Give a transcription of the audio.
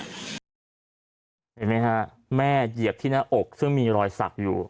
เห็นไหมฮะแม่เหยียบที่หน้าอกซึ่งมีรอยสักอยู่